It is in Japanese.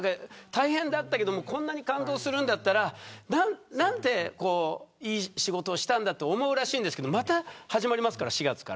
大変だったけどこんなに感動するならなんていい仕事をしたんだと思うらしいんですけどまた４月から始まりますから。